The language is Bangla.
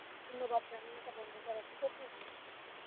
ধন্যবাদ জানালাটা বন্ধ করো, ঠিক আছে?